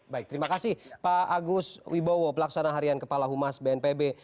baik terima kasih pak agus wibowo pelaksana harian kepala humas bnpb